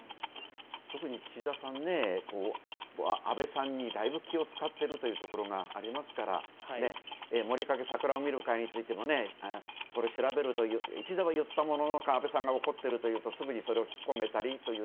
特に岸田さん、安倍さんにだいぶ気を遣っているというところがありますからモリカケ、桜を見る会については調べると一度は言ったものの、安倍さんが怒っているというとすぐにそれをひっこめたりと。